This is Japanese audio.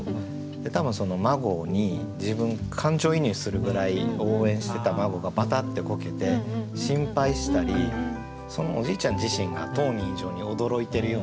多分孫に自分感情移入するぐらい応援してた孫がバタッてこけて心配したりそのおじいちゃん自身が当人以上に驚いてるような。